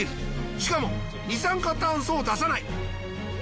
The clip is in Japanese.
しかも二酸化炭素を出さない。